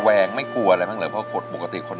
ทั้งในเรื่องของการทำงานเคยทำนานแล้วเกิดปัญหาน้อย